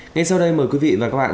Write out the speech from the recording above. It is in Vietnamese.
ngay sau đây mời quý vị và các bạn